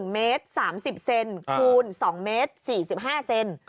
๑เมตร๓๐เซนคูณ๒เมตร๔๕เซน